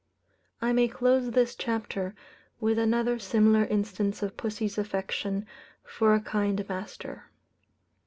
I may close this chapter with another similar instance of pussy's affection for a kind master.